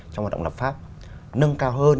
trong hoạt động lập pháp nâng cao hơn